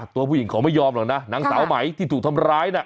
ตัวผู้หญิงเขาไม่ยอมหรอกนะนางสาวไหมที่ถูกทำร้ายน่ะ